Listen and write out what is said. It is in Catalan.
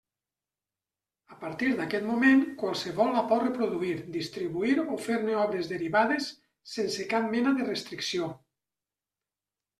A partir d'aquest moment, qualsevol la pot reproduir, distribuir o fer-ne obres derivades sense cap mena de restricció.